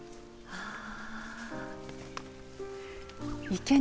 ああ。